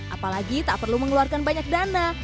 apalagi tak perlu mengeluarkan banyak dana